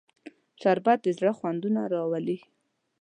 شربت د زړه خوندونه راولي